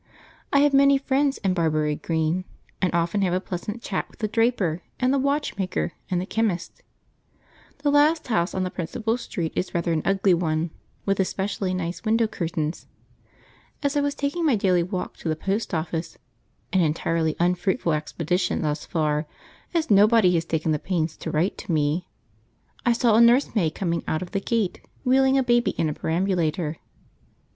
I have many friends in Barbury Green, and often have a pleasant chat with the draper, and the watchmaker, and the chemist. {The freedom of the place at my expense: p74.jpg} The last house on the principal street is rather an ugly one, with especially nice window curtains. As I was taking my daily walk to the post office (an entirely unfruitful expedition thus far, as nobody has taken the pains to write to me) I saw a nursemaid coming out of the gate, wheeling a baby in a perambulator.